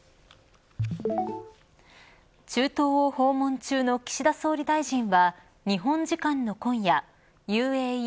中東を訪問中の岸田総理大臣は日本時間の今夜ＵＡＥ